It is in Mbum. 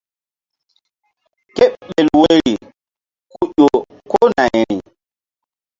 Kéɓel woyri ku ƴo ko nayri.